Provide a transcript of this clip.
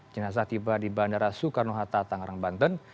jenazah tiba di bandara soekarno hatta tangerang banten